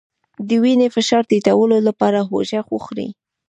د وینې فشار ټیټولو لپاره هوږه وخورئ